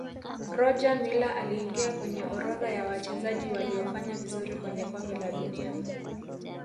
roger miller aliingia kwenye orodha ya Wachezaji waliofanya vizuri kwenye kombe la dunia